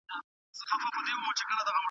ماشوم د انا په وړاندې په فرش باندې کښېناست.